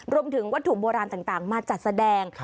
รวมถึงวัตถุโบราณต่างมาจัดแสดง